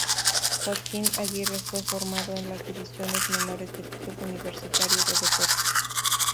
Joaquín Aguirre fue formado en las divisiones menores del Club Universitario de Deportes.